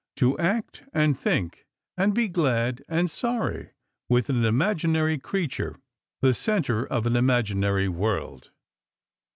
to act and think and be glad and sorry with an imaginary creature, the centre of an imaginary world.